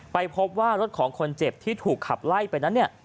ไปพบว่ารถของคนเจ็บที่ถูกขับไล่ไปนั้นเนี่ย